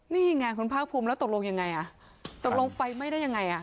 นี่ไงคุณภาคภูมิแล้วตกลงยังไงอ่ะตกลงไฟไหม้ได้ยังไงอ่ะ